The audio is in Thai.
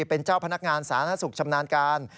เป็นเจ้าพนักงานศาลนักศุกร์ชำนาญการ